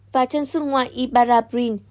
và chân xuất ngoại ibarra brin